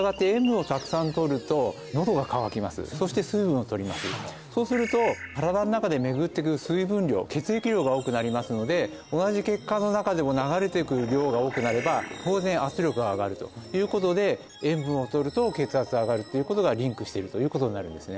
はいしたがってそうすると身体の中で巡っていく水分量血液量が多くなりますので同じ血管の中でも流れてくる量が多くなれば当然圧力が上がるということで塩分を摂ると血圧上がるっていうことがリンクしているということになるんですね